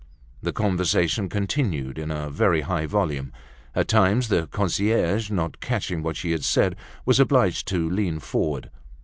The conversation continued in a very high volume. At times, the concierge, not catching what was said, was obliged to lean forward.